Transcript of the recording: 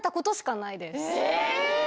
え！